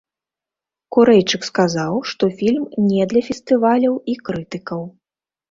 Курэйчык сказаў, што фільм не для фестываляў і крытыкаў.